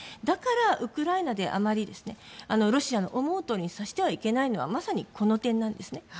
だから、ウクライナであまりロシアの思うとおりにさせてはいけないのはまさにこの点なんです。